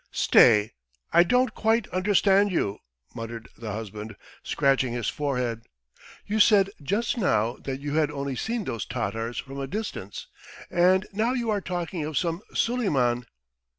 "Stay. ... I don't quite understand you," muttered the husband, scratching his forehead. "You said just now that you had only seen those Tatars from a distance, and now you are talking of some Suleiman."